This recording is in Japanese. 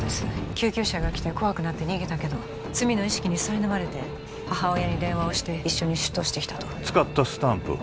救急車が来て怖くなって逃げたけど罪の意識にさいなまれて母親に電話をして一緒に出頭してきたと使ったスタンプは？